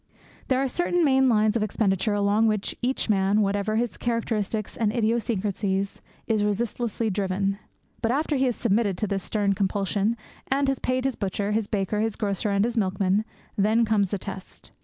There are certain main lines of expenditure along which each man, whatever his characteristics and idiosyncrasies, is resistlessly driven. But after he has submitted to this stern compulsion, and has paid his butcher, his baker, his grocer, and his milkman, then comes the test.